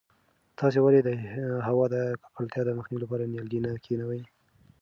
تاسې ولې د هوا د ککړتیا د مخنیوي لپاره نیالګي نه کښېنوئ؟